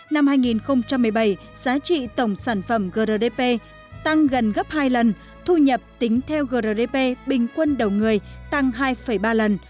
năm hai nghìn một mươi bảy giá trị tổng sản phẩm grdp tăng gần gấp hai lần thu nhập tính theo grdp bình quân đầu người tăng hai ba lần